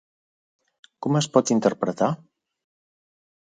Com es pot interpretar?